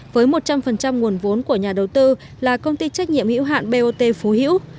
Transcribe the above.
với một trăm linh nguồn vốn của nhà đầu tư là công ty trách nhiệm hữu hạn bot phú hữu